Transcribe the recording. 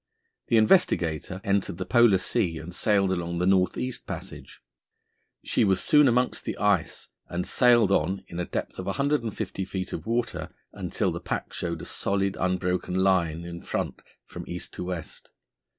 The Investigator entered the Polar Sea and sailed along the North East Passage. She was soon amongst the ice, and sailed on in a depth of 150 feet of water until the pack showed a solid unbroken line in front from east to west.